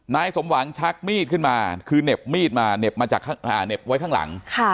นายสมหวังชักมีดขึ้นมาคือเหน็บมีดมาเหน็บมาจากเหน็บไว้ข้างหลัง